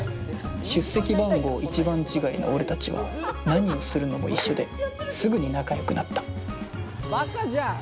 出席番号１番違いの俺たちは何をするのも一緒ですぐに仲良くなったバカじゃん。